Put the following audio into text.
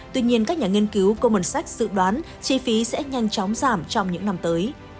tuy nhiên các nhà nghiên cứu goldman sách dự đoán chi phí sẽ nhanh chóng giảm trong những năm tới